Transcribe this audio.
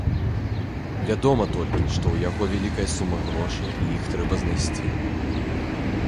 Вядома толькі, што ў яго вялікая сума грошай і іх трэба знайсці.